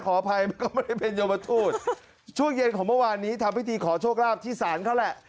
ขออภัยมันก็ไม่ได้เป็นยมทูตช่วงเย็นของเมื่อวานนี้ทำพิธีขอโชคลาภที่ศาลเขาแหละ